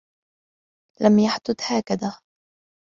لم يحدث هكذا.